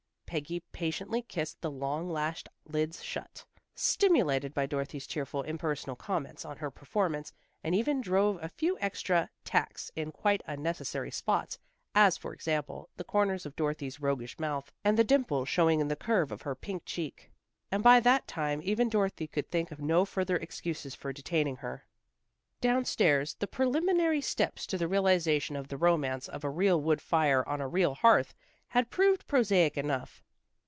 Peggy patiently kissed the long lashed lids shut, stimulated by Dorothy's cheerfully impersonal comments on her performance, and even drove a few extra "tacks," in quite unnecessary spots, as, for example, the corners of Dorothy's roguish mouth, and the dimple showing in the curve of her pink cheek. And by that time even Dorothy could think of no further excuses for detaining her. Down stairs the preliminary steps to the realization of the romance of a real wood fire on a real hearth had proved prosaic enough.